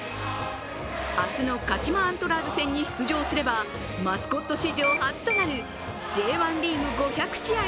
明日の鹿島アントラーズ戦に出場すればマスコット史上初となるＪ１リーグ５００試合